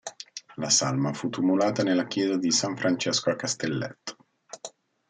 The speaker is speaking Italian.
La salma fu tumulata nella chiesa di San Francesco a Castelletto.